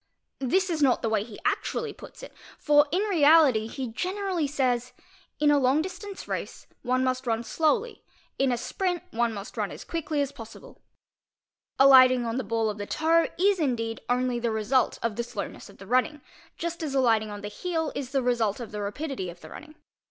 e not the way he actually puts it; for in reality he generally says: "Inal distance race ; one must run slowly; in a sprint, one must run as quic! as possible". Alighting on the ball of the toe is, indeed, only the resu ' the slowness of the running, just as alighting on the heel is the result the rapidity of the running.